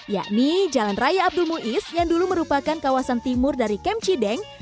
yakni jalan raya abdul muiz yang dulu merupakan kawasan timur dari kem cideng